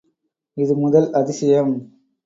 இது முதல் அதிசயம்!